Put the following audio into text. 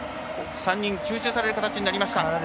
３人吸収される形になりました。